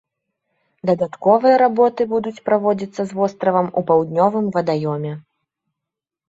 Дадатковыя работы будуць праводзіцца з востравам у паўднёвым вадаёме.